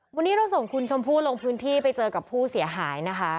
วันนี้เราส่งคุณชมพู่ลงพื้นที่ไปเจอกับผู้เสียหายนะคะ